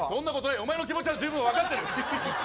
お前の気持ちはじゅうぶん分かってる。